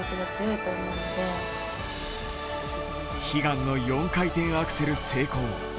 悲願の４回転アクセル成功。